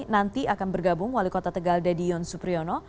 nanti akan bergabung wali kota tegal dedion supriyono